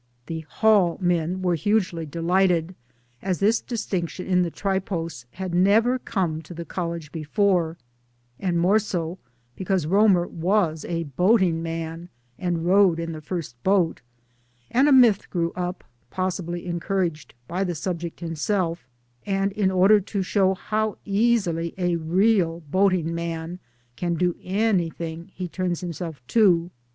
The ' HaJJ ' men were hugely delighted, as this dis tinction in the Tripos had never come to the College before the more so, because Romer was a boating man and rowed in the First Boat ; and a myth grew up (possibly encouraged by the subject himself, and in order to show how easily a real boating man can do anything he turns himself to